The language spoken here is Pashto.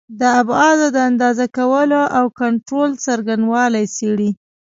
د ابعادو د اندازه کولو او کنټرول څرنګوالي څېړي.